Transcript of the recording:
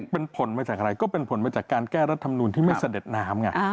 เป็นผลมาจากอะไรก็เป็นผลมาจากการแก้รัฐมนูลที่ไม่เสด็จน้ำไง